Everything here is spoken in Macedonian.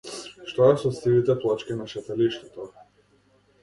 Што е со сивите плочки на шеталиштето?